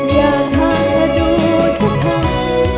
อย่าขาดูสักครั้ง